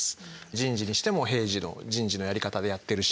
人事にしても平時の人事のやり方でやってるし。